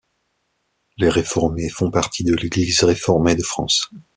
Les réformés font partie de l'’Église réformée de France.